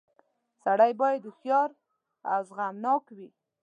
• سړی باید هوښیار او زغمناک وي.